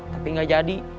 tapi gak jadi